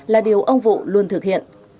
là điều ông vũ luôn thực hiện